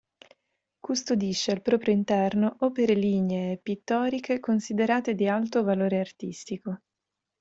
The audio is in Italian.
Custodisce al proprio interno opere lignee e pittoriche considerate di alto valore artistico.